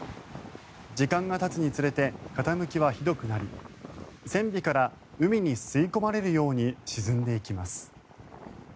時間がたつにつれて傾きはひどくなり船尾から海に吸い込まれるように沈んでいきます。